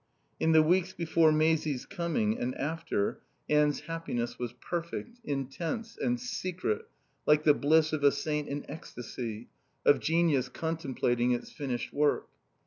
In the weeks before Maisie's coming and after, Anne's happiness was perfect, intense and secret like the bliss of a saint in ecstasy, of genius contemplating its finished work.